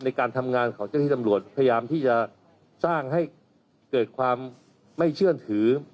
ในการทำงานของเจ้าที่ตำรวจพยายามที่จะสร้างให้เกิดความไม่เชื่อถือ